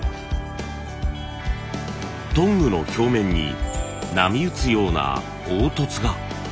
トングの表面に波打つような凹凸が。